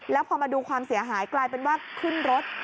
แล้วพอมาดูความเสียหายกลายเป็นว่าขึ้นรถ